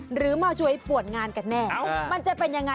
หรือมาช่วยปวดงานกันแน่มันจะเป็นยังไง